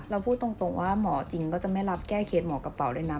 พูดตรงว่าหมอจริงก็จะไม่รับแก้เคสหมอกระเป๋าด้วยนะ